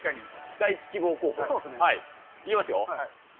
第１希望候補？いきますよ。